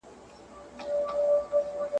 د سبا نری شماله د خدای روی مي دی دروړی.